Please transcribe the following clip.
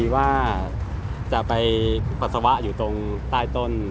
ว่าจะไปปัสสาวะอยู่ตรงใต้ต้น